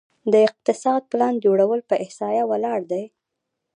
د اقتصاد پلان جوړول په احصایه ولاړ دي؟